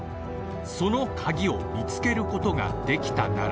そのカギを見つけることができたなら